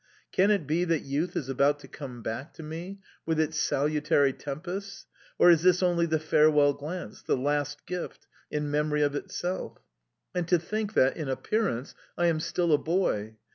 Can it be that youth is about to come back to me, with its salutary tempests, or is this only the farewell glance, the last gift in memory of itself?... And to think that, in appearance, I am still a boy!